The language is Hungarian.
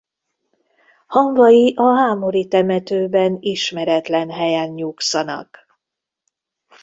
Hamvai a hámori temetőben ismeretlen helyen nyugszanak.